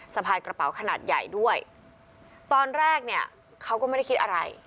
สะพายกระเป๋าขนาดใหญ่ด้วยตอนแรกเนี่ยเขาก็ไม่ได้คิดอะไร